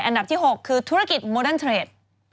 อันดับที่๖คือธุรกิจโมเดิร์นเทรด